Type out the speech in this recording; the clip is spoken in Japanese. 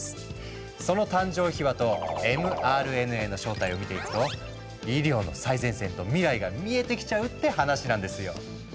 その誕生秘話とｍＲＮＡの正体を見ていくと医療の最前線と未来が見えてきちゃうって話なんですよ。